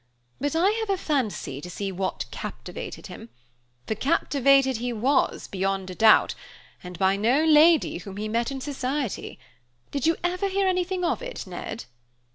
But I have a fancy to see what captivated him; for captivated he was, beyond a doubt, and by no lady whom he met in society. Did you ever hear anything of it, Ned?"